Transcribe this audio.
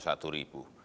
kita masih rp tujuh